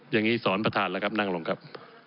อย่างนี้สอนประธานแล้วครับนั่งลงครับ